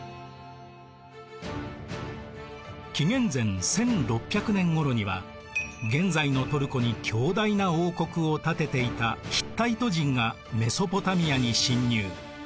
紀元前１６００年ごろには現在のトルコに強大な王国を建てていたヒッタイト人がメソポタミアに侵入。